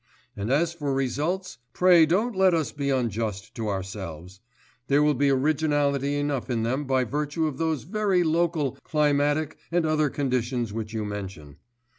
And as for results, pray don't let us be unjust to ourselves; there will be originality enough in them by virtue of those very local, climatic, and other conditions which you mention.